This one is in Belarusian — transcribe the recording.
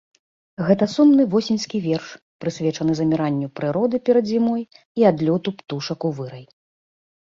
Гэта сумны восеньскі верш, прысвечаны заміранню прыроды перад зімой і адлёту птушак у вырай.